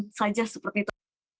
itu aja seperti itu